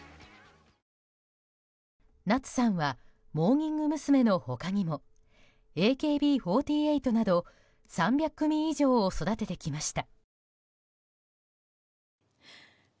夏さんはモーニング娘。の他にもＡＫＢ４８など３００組以上を育ててきました。